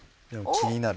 気になる。